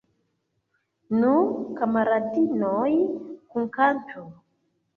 Nu, kamaradinoj, kunkantu!